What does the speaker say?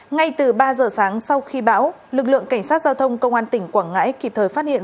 ngay từ ba giờ sáng sau khi bão lực lượng cảnh sát giao thông công an tỉnh quảng ngãi kịp thời phát hiện